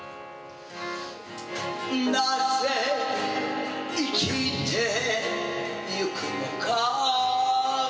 「なぜ生きてゆくのかを」